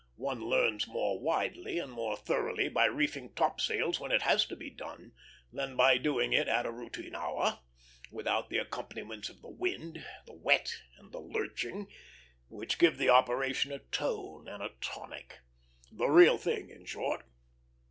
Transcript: One learns more widely and more thoroughly by reefing topsails when it has to be done, than by doing it at a routine hour, without the accompaniments of the wind, the wet, and the lurching, which give the operation a tone and a tonic the real thing, in short.